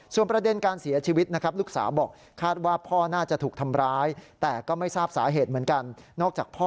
สาเหตุเหมือนกันนอกจากพ่อ